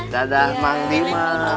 dadah mang diman